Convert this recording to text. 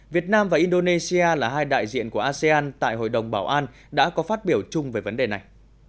việt nam và indonesia là hai đại diện của asean tại hội đồng bảo an đã có phát biểu chung về vấn đề này